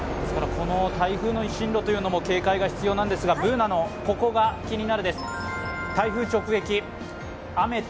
この台風の進路も警戒が必要なんですが、Ｂｏｏｎａの「ココがキニナル」です。